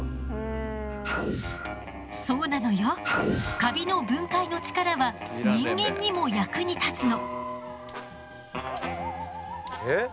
カビの分解の力は人間にも役に立つの。